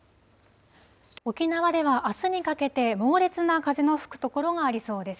沖縄ではあすにかけて猛烈な風の吹く所がありそうです。